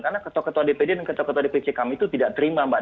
karena ketua ketua dpd dan ketua ketua dpc kami itu tidak terima mbak